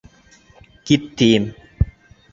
Кит, тием!